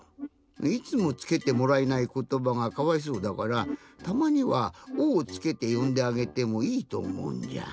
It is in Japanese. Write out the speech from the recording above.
いつもつけてもらえないことばがかわいそうだからたまには「お」をつけてよんであげてもいいとおもうんじゃ。